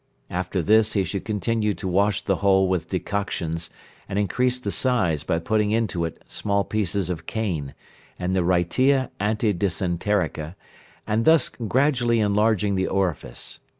After this he should continue to wash the hole with decoctions, and increase the size by putting into it small pieces of cane, and the wrightia antidysenterica, and thus gradually enlarging the orifice.